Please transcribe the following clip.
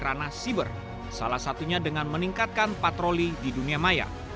karena siber salah satunya dengan meningkatkan patroli di dunia maya